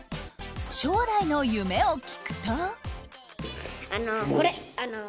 将来の夢を聞くと。